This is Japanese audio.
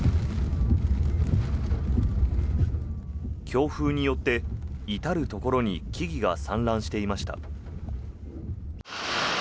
強風によって至るところに木々が散乱していました。